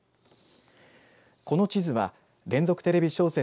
この地図は連続テレビ小説